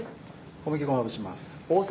小麦粉まぶします。